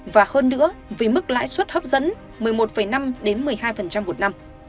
và hơn nữa vì mức lãi suất hấp dẫn một mươi một năm một mươi hai một năm